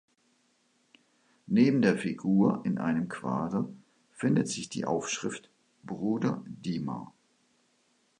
Neben der Figur in einem Quader findet sich die Aufschrift „Bruder Diemar“.